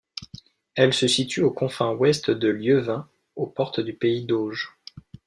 Elle se situe aux confins ouest du Lieuvin, aux portes du pays d'Auge.